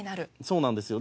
そうなんですよ。